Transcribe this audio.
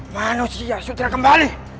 manusia sutra kembali